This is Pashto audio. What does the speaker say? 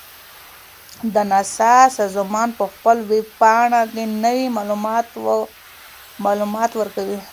د ناسا سازمان په خپل ویب پاڼه کې نوي معلومات ورکوي.